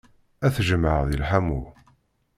Ad t-jemɛeɣ deg lḥamu.